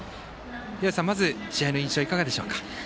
廣瀬さん、まず試合の印象はいかがでしょうか？